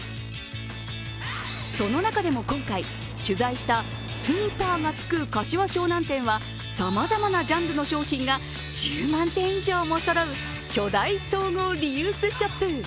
その中でも今回、取材したスーパーがつく柏昭南店はさまざまなジャンルの商品が１０万点以上もそろう巨大総合リユースショップ。